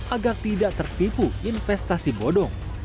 agar tidak tertipu investasi bodong